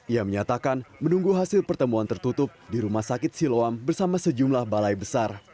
ia menyatakan menunggu hasil pertemuan tertutup di rumah sakit siloam bersama sejumlah balai besar